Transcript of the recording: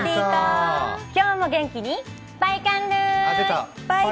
今日も元気にパイカンルーイ！